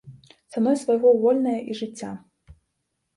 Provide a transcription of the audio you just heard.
Цаной свайго вольныя і жыцця.